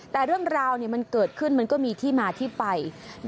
แต่เรื่องราวมันเกิดขึ้นมันก็มีที่มาที่ไป